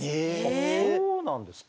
あっそうなんですか。